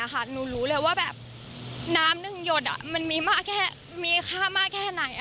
หนูรู้เลยว่าน้ำหนึ่งหยดมันมีค่ามากแค่ไหน